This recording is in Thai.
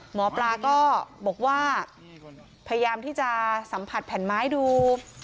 หมอปลาก็บอกว่าพยายามที่จะสัมผัสแผ่นไม้ดู